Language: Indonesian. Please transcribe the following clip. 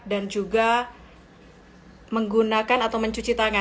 dan juga menggunakan atau mencuci tangan